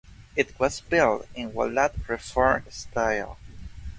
It was built in Wallach reform style.